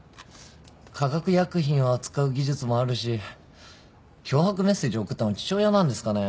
化学薬品を扱う技術もあるし脅迫メッセージを送ったのは父親なんですかね？